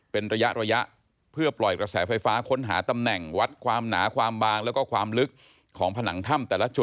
เป็นระยะระยะเพื่อปล่อยกระแสไฟฟ้าค้นหาตำแหน่งวัดความหนาความบางแล้วก็ความลึกของผนังถ้ำแต่ละจุด